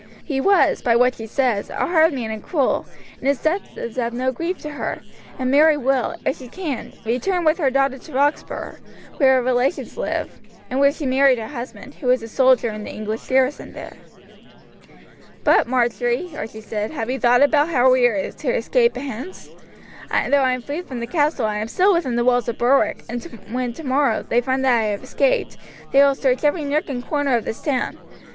He was, by what she says, a hard man and cruel, and his death is no grief to her, and Mary will, if she can, return with her daughter to Roxburgh, where her relations live, and where she married her husband, who was a soldier in the English garrison there." "But, Marjory," Archie said, "have you thought how we are to escape hence; though I am free from the castle I am still within the walls of Berwick, and when, tomorrow, they find that I have escaped, they will search every nook and corner of the town.